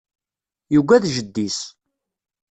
Yugad jeddi-s.